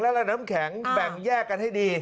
และน้ำแข็งแบ่งแยกกันให้ดี